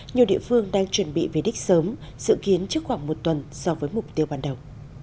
nhiều địa phương đang chuẩn bị về đích sớm dự kiến trước khoảng một tuần so với mục tiêu ban đầu